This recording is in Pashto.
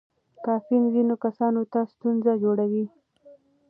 کافین ځینو کسانو ته ستونزه جوړوي.